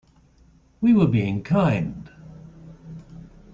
We were being kind.